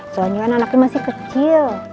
soalnya kan anaknya masih kecil